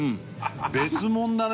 別物だね